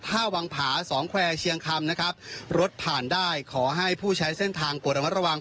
ท่าวังผาสองแควร์เชียงคำนะครับรถผ่านได้ขอให้ผู้ใช้เส้นทางกดระมัดระวัง